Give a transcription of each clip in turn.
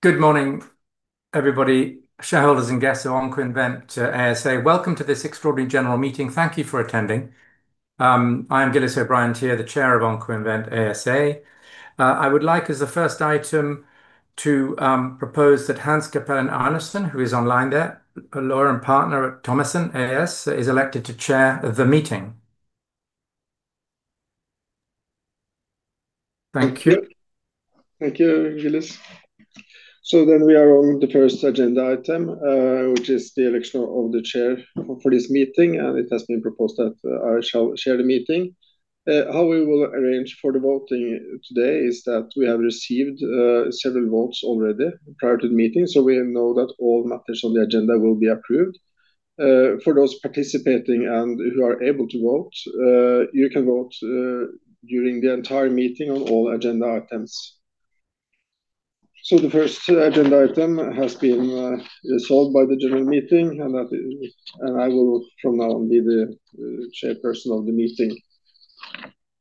Good morning, everybody, shareholders and guests of Oncoinvent ASA. Welcome to this extraordinary general meeting. Thank you for attending. I am Gillies O'Bryan-Tear, the Chair of Oncoinvent ASA. I would like, as the first item, to propose that Hans Cappelen Arnesen, who is online there, a lawyer and partner at Thommessen AS, is elected to chair the meeting. Thank you. Thank you, Gillies. So then we are on the first agenda item, which is the election of the chair for this meeting, and it has been proposed that I shall chair the meeting. How we will arrange for the voting today is that we have received several votes already prior to the meeting, so we know that all matters on the agenda will be approved. For those participating and who are able to vote, you can vote during the entire meeting on all agenda items. So the first agenda item has been resolved by the general meeting, and I will from now on be the chairperson of the meeting.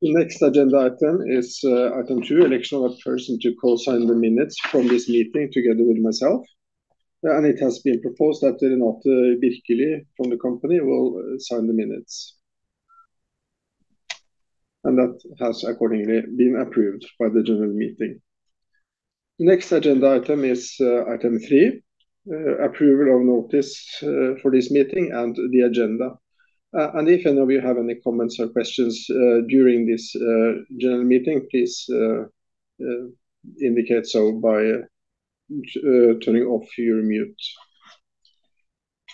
The next agenda item is item two, election of a person to co-sign the minutes from this meeting together with myself. And it has been proposed that Renate Birkeli from the company will sign the minutes. That has accordingly been approved by the general meeting. The next agenda item is item three, approval of notice for this meeting and the agenda. If any of you have any comments or questions during this general meeting, please indicate so by turning off your mute.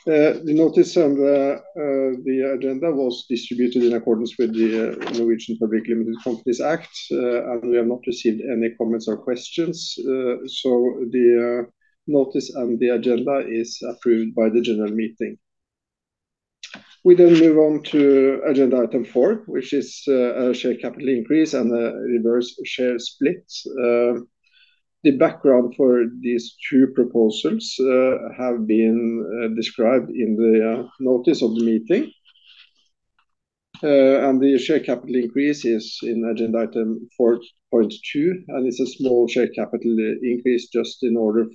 The notice and the agenda was distributed in accordance with the Norwegian Public Limited Companies Act, and we have not received any comments or questions. The notice and the agenda is approved by the general meeting. We then move on to agenda item four, which is a share capital increase and a reverse share split. The background for these two proposals has been described in the notice of the meeting. The share capital increase is in agenda item 4.2, and it's a small share capital increase just in order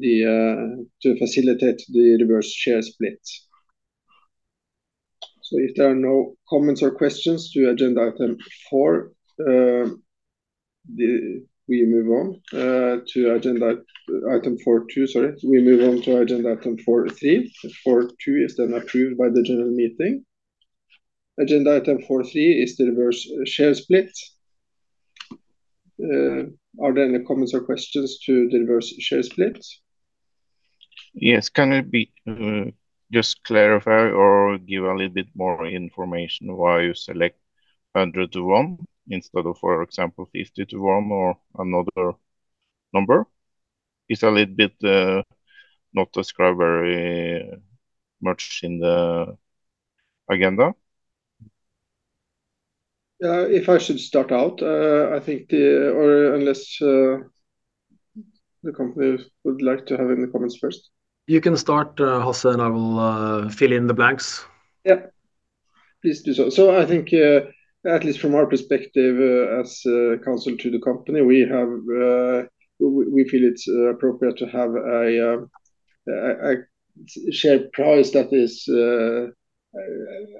to facilitate the reverse share split. So if there are no comments or questions to agenda item four, we move on to agenda item four two, sorry. We move on to agenda item four three. Four two is then approved by the general meeting. Agenda item four three is the reverse share split. Are there any comments or questions to the reverse share split? Yes, can I just clarify or give a little bit more information why you select 100 to 1 instead of, for example, 50 to 1 or another number? It's a little bit not described very much in the agenda. If I should start out, I think, or unless the company would like to have any comments first. You can start, Hans, I will fill in the blanks. Yeah, please do so. So I think, at least from our perspective as counsel to the company, we feel it's appropriate to have a share price that is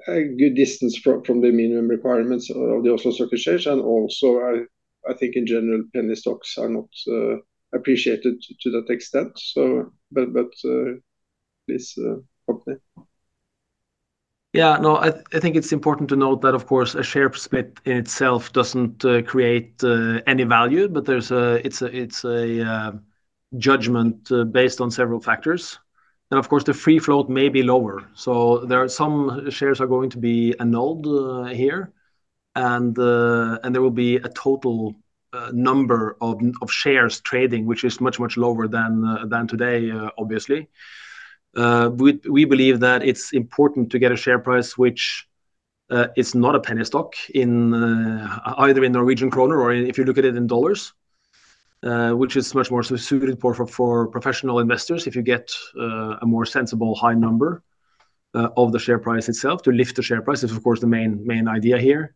a good distance from the minimum requirements of the Oslo Stock Exchange. And also, I think in general, penny stocks are not appreciated to that extent. But please, company. Yeah, no, I think it's important to note that, of course, a share split in itself doesn't create any value, but it's a judgment based on several factors, and of course, the free float may be lower. So there are some shares that are going to be annulled here, and there will be a total number of shares trading, which is much, much lower than today, obviously. We believe that it's important to get a share price which is not a penny stock, either in Norwegian kroner or if you look at it in dollars, which is much more suited for professional investors if you get a more sensible high number of the share price itself to lift the share price. It's, of course, the main idea here.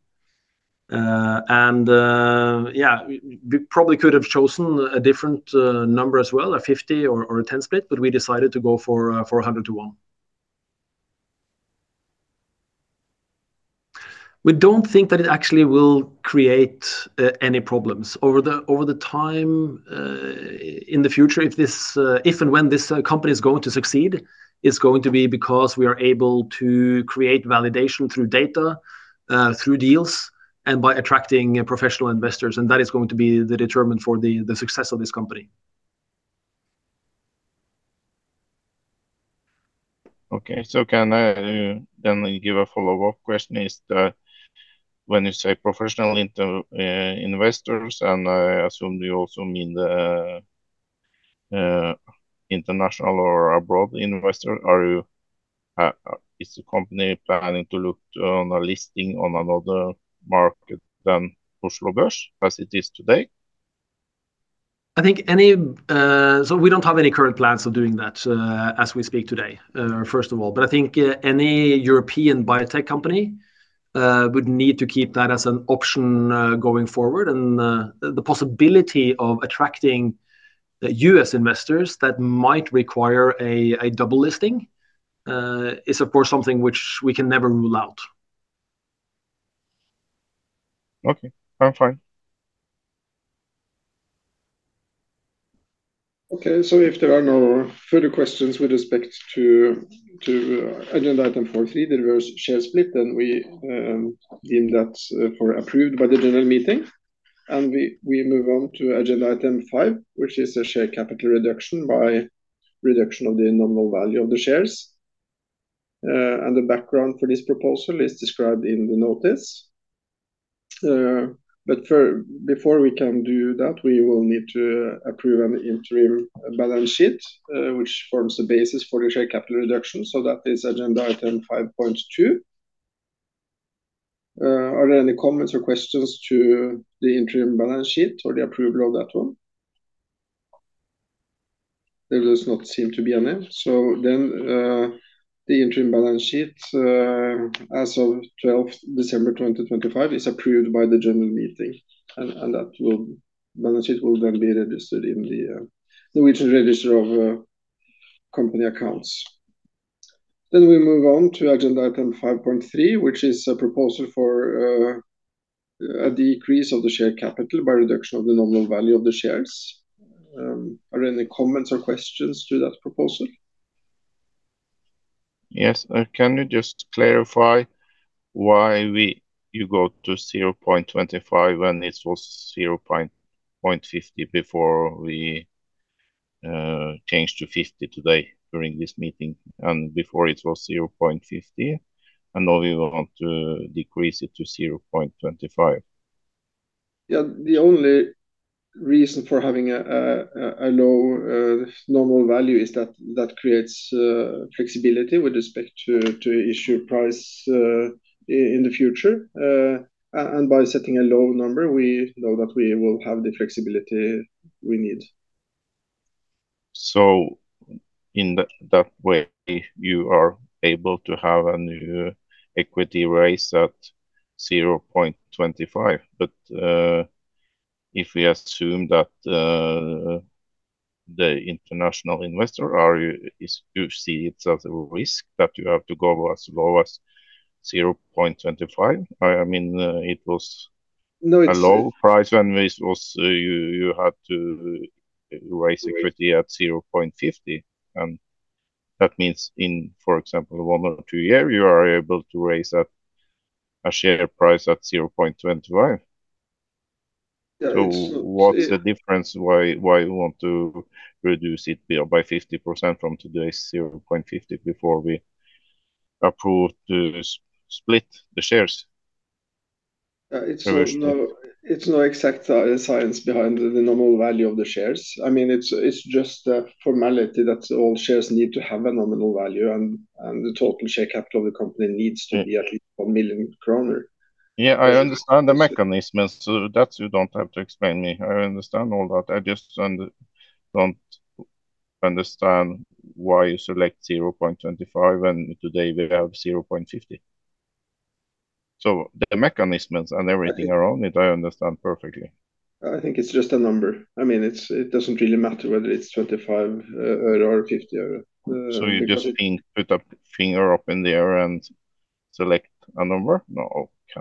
Yeah, we probably could have chosen a different number as well, a 50 or a 10 split, but we decided to go for 100 to 1. We don't think that it actually will create any problems. Over the time, in the future, if and when this company is going to succeed, it's going to be because we are able to create validation through data, through deals, and by attracting professional investors. And that is going to be the determinant for the success of this company. Okay, so can I then give a follow-up question? When you say professional investors, and I assume you also mean international or abroad investors, is the company planning to look on a listing on another market than Oslo Børs as it is today? I think, so we don't have any current plans of doing that as we speak today, first of all. But I think any European biotech company would need to keep that as an option going forward. And the possibility of attracting U.S. investors that might require a double listing is, of course, something which we can never rule out. Okay, I'm fine. Okay, so if there are no further questions with respect to agenda item 4.3, the reverse share split, then we deem it approved by the general meeting. We move on to agenda item 5, which is a share capital reduction by reduction of the nominal value of the shares. The background for this proposal is described in the notice. Before we can do that, we will need to approve an interim balance sheet, which forms the basis for the share capital reduction. That is agenda item 5.2. Are there any comments or questions to the interim balance sheet or the approval of that one? There does not seem to be any. The interim balance sheet as of December 12th, 2025, is approved by the general meeting. That balance sheet will then be registered in the Norwegian Register of Company Accounts. Then we move on to agenda item 5.3, which is a proposal for a decrease of the share capital by reduction of the nominal value of the shares. Are there any comments or questions to that proposal? Yes, can you just clarify why you go to 0.25 when it was 0.50 before we changed to 50 today during this meeting and before it was 0.50? And now we want to decrease it to 0.25. Yeah, the only reason for having a low nominal value is that that creates flexibility with respect to issue price in the future. And by setting a low number, we know that we will have the flexibility we need. So in that way, you are able to have a new equity raise at 0.25. But if we assume that the international investor sees it as a risk that you have to go as low as 0.25, I mean, it was a low price when you had to raise equity at 0.50. And that means in, for example, one or two years, you are able to raise a share price at 0.25. So what's the difference? Why you want to reduce it by 50% from today's 0.50 before we approve to split the shares? It's no exact science behind the nominal value of the shares. I mean, it's just a formality that all shares need to have a nominal value, and the total share capital of the company needs to be at least 1 million kroner. Yeah, I understand the mechanisms. That you don't have to explain me. I understand all that. I just don't understand why you select 0.25 when today we have 0.50. So the mechanisms and everything around it, I understand perfectly. I think it's just a number. I mean, it doesn't really matter whether it's NOK 0.25 or NOK 0.50 or. So you just put a finger up in the air and select a number?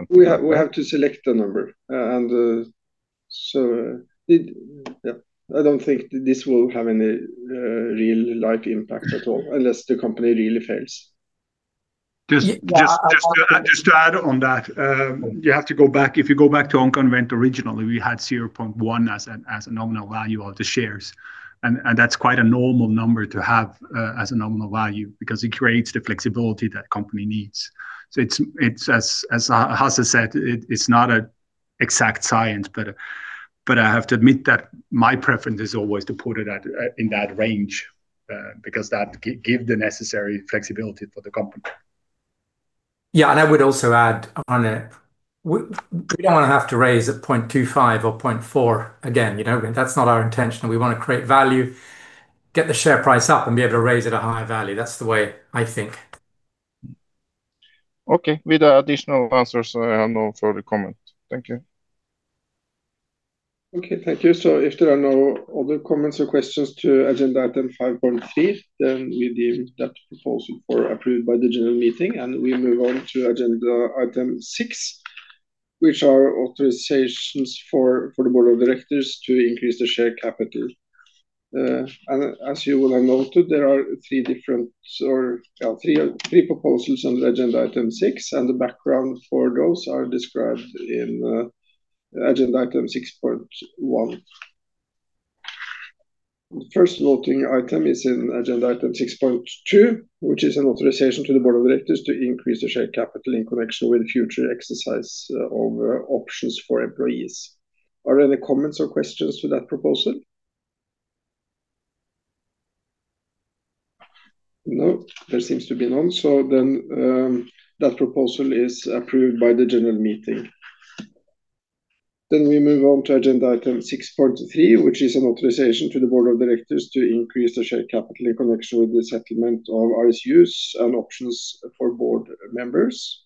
We have to select a number. And so yeah, I don't think this will have any real-life impact at all unless the company really fails. Just to add on that, you have to go back. If you go back to Oncoinvent originally, we had 0.1 as a nominal value of the shares, and that's quite a normal number to have as a nominal value because it creates the flexibility that company needs, so it's, as Hans said, it's not an exact science, but I have to admit that my preference is always to put it in that range because that gives the necessary flexibility for the company. Yeah, and I would also add on it. We don't want to have to raise at 0.25 or 0.4 again. That's not our intention. We want to create value, get the share price up, and be able to raise it at a high value. That's the way I think. Okay, with additional answers, I have no further comment. Thank you. Okay, thank you. So if there are no other comments or questions to agenda item 5.3, then we deem that proposal approved by the general meeting, and we move on to agenda item 6, which are authorizations for the board of directors to increase the share capital. And as you will have noted, there are three different or three proposals under agenda item 6, and the background for those are described in agenda item 6.1. The first voting item is in agenda item 6.2, which is an authorization to the board of directors to increase the share capital in connection with future exercise of options for employees. Are there any comments or questions to that proposal? No, there seems to be none. So then that proposal is approved by the general meeting. Then we move on to agenda item 6.3, which is an authorization to the board of directors to increase the share capital in connection with the settlement of RSUs and options for board members.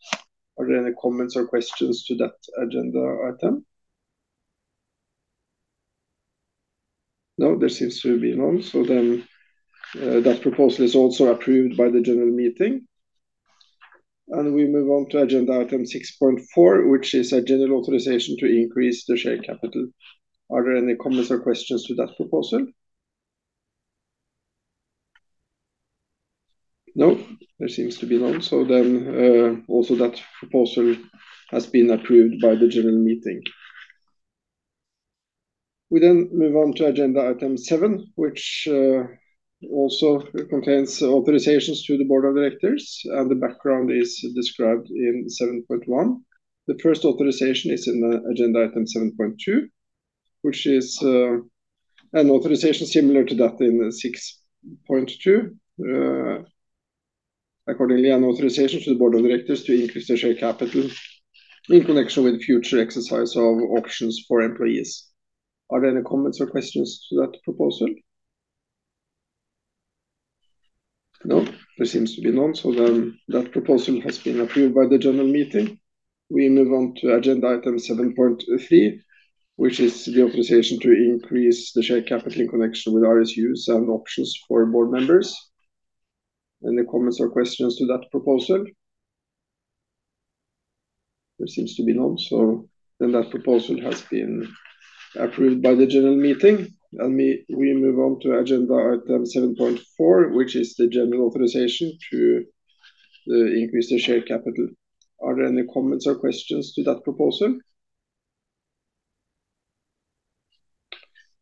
Are there any comments or questions to that agenda item? No, there seems to be none. So then that proposal is also approved by the general meeting. And we move on to agenda item 6.4, which is a general authorization to increase the share capital. Are there any comments or questions to that proposal? No, there seems to be none. So then also that proposal has been approved by the general meeting. We then move on to agenda item seven, which also contains authorizations to the board of directors, and the background is described in 7.1. The first authorization is in agenda item 7.2, which is an authorization similar to that in 6.2, accordingly an authorization to the board of directors to increase the share capital in connection with future exercise of options for employees. Are there any comments or questions to that proposal? No, there seems to be none. So then that proposal has been approved by the general meeting. We move on to agenda item 7.3, which is the authorization to increase the share capital in connection with ICUs and options for board members. Any comments or questions to that proposal? There seems to be none. So then that proposal has been approved by the general meeting. And we move on to agenda item 7.4, which is the general authorization to increase the share capital. Are there any comments or questions to that proposal?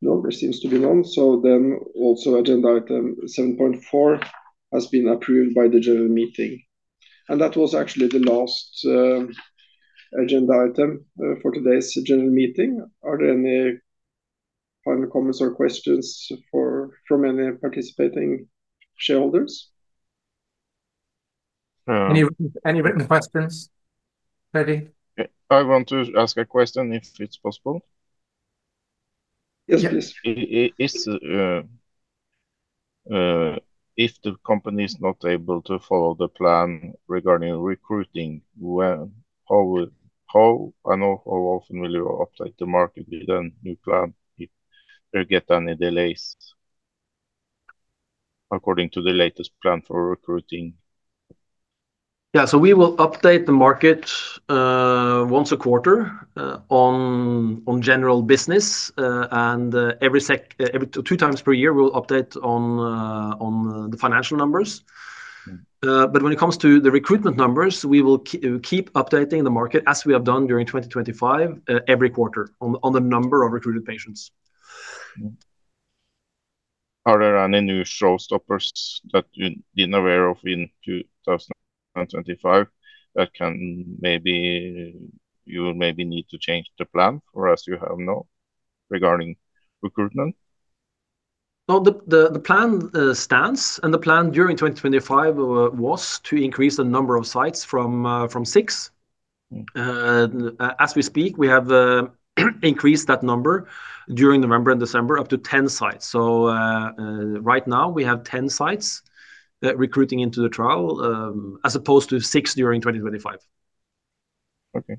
No, there seems to be none. So then also agenda item 7.4 has been approved by the general meeting. And that was actually the last agenda item for today's general meeting. Are there any final comments or questions from any participating shareholders? Any written questions, Freddie? I want to ask a question if it's possible. Yes, please. If the company is not able to follow the plan regarding recruiting, how and how often will you update the market with a new plan if there get any delays according to the latest plan for recruiting? Yeah, so we will update the market once a quarter on general business. And every two times per year, we'll update on the financial numbers. But when it comes to the recruitment numbers, we will keep updating the market as we have done during 2025, every quarter on the number of recruited patients. Are there any new showstoppers that you're aware of in 2025 that can maybe need to change the plan or as you have known regarding recruitment? No, the plan stands. And the plan during 2025 was to increase the number of sites from six. As we speak, we have increased that number during November and December up to 10 sites. So right now, we have 10 sites recruiting into the trial as opposed to six during 2025. Okay,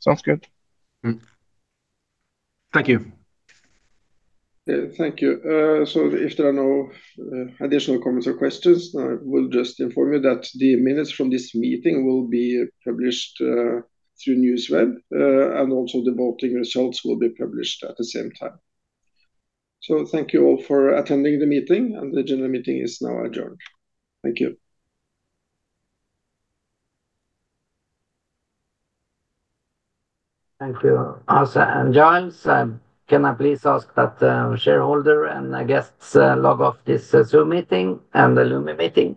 sounds good. Thank you. Thank you. So if there are no additional comments or questions, I will just inform you that the minutes from this meeting will be published through NewsWeb, and also the voting results will be published at the same time. So thank you all for attending the meeting, and the general meeting is now adjourned. Thank you. Thank you, Hans and Gillies. Can I please ask that shareholders and guests log off this Zoom meeting and the Lumi meeting?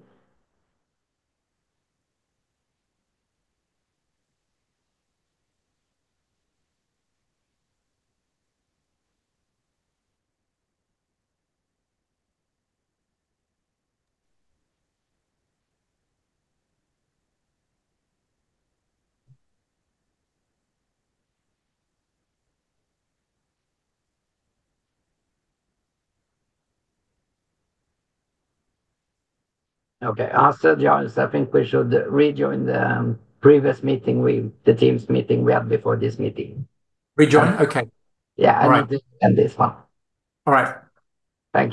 Okay, Hans, Gillies, I think we should rejoin the previous meeting, the Teams meeting we had before this meeting. Rejoin? Okay. Yeah, and this one. All right. Thank.